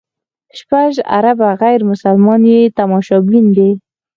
شپږ اربه غیر مسلمان یې تماشبین دي.